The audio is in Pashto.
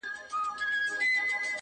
• نه یې بیرته سوای قفس پیدا کولای -